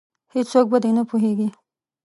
هیڅوک په دې نه پوهیږې